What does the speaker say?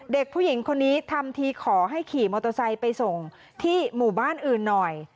เด็กผู้หญิงคนนี้ทำทีขอให้ขี่มอเตอร์ไซค์ไปส่งที่หมู่บ้านอื่นหน่อย